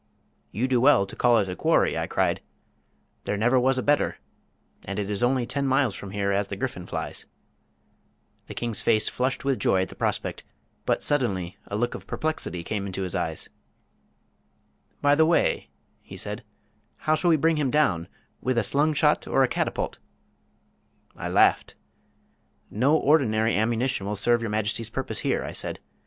"You do well to call it a quarry," I cried. "There never was a better and it is only ten miles from here as the griffin flies." The king's face flushed with joy at the prospect, but suddenly a look of perplexity came into his eyes. "By the way," he said, "how shall we bring him down with a slungshot or a catapult?" [Illustration: Gr't. Gr't. Gr't. Grandfather Adam as a disciplinarian.] I laughed. "No ordinary ammunition will serve Your Majesty's purpose here," I said.